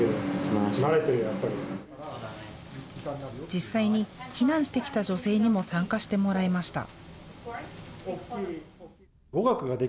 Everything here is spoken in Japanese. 実際に、避難してきた女性にも参加してもらいました。